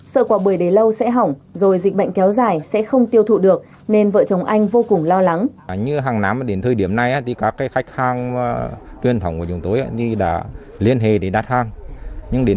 sợ quả bưởi đến lâu sẽ hỏng rồi dịch bệnh kéo dài sẽ không tiêu thụ được nên vợ chồng anh vô cùng lo lắng